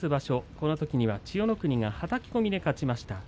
このときには千代の国がはたき込みで勝ちました。